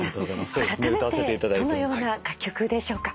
あらためてどのような楽曲でしょうか？